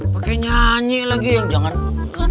pakai nyanyi lagi yang jangan